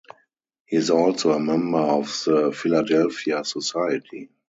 He is also a member of the Philadelphia Society.